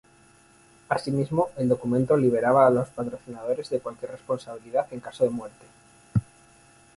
Asimismo, el documento liberaba a los patrocinadores de cualquier responsabilidad en caso de muerte.